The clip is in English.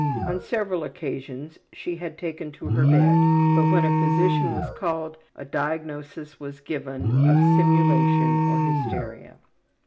On several occasions she had taken to her bed, but when a physician was called, a diagnosis was given of simulation, or hysteria.